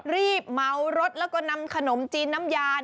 รีบเมารถแล้วก็นำขนมจีนน้ำยา